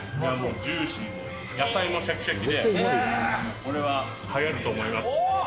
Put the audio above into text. ジューシーで、野菜もしゃきしゃきで、これははやると思います。